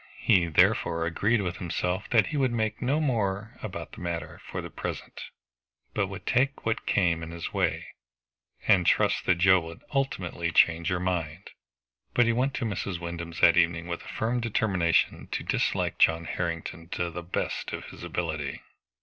He therefore agreed within himself that he would think no more about the matter for the present, but would take what came in his way, and trust that Joe would ultimately change her mind. But he went to Mrs. Wyndham's that evening with a firm determination to dislike John Harrington to the best of his ability.